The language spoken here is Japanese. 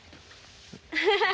ハハハハ。